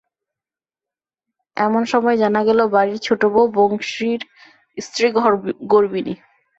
এমন সময় জানা গেল, বাড়ির ছোটোবউ, বংশীর স্ত্রী গর্ভিণী।